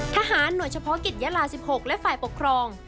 ทหารหน่วยเฉพาะกิจยาลา๑๖และฝ่ายปกครอง